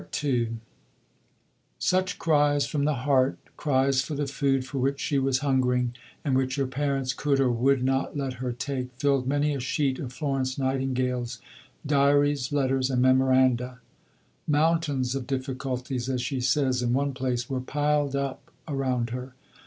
II Such cries from the heart, cries for the food for which she was hungering and which her parents could or would not let her take, filled many a sheet of Florence Nightingale's diaries, letters, and memoranda. "Mountains of difficulties," as she says in one place, were "piled up" around her.